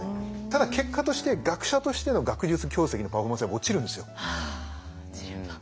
ただ結果として学者としての学術業績のパフォーマンスは落ちるんですよ。はあ落ちるんだ。